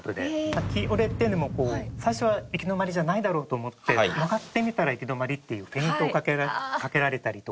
先折れっていうのも最初は行き止まりじゃないだろうと思って曲がってみたら行き止まりっていうフェイントをかけられたりとか。